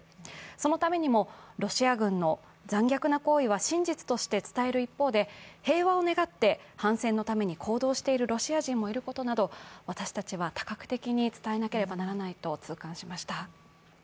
そのためにもロシア軍の残虐な行為は真実として伝える一方で、平和を願って反戦のために行動しているロシア人もいるなど、私たちは多角的に伝えなければならないと痛感しました。